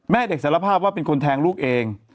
เด็กสารภาพว่าเป็นคนแทงลูกเอง